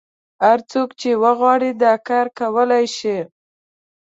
هر څوک چې وغواړي دا کار کولای شي.